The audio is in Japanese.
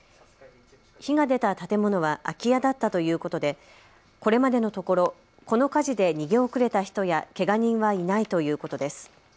火が出た建物は空き家だったということでこれまでのところこの火事で逃げ遅れた人やけが人はいないということです。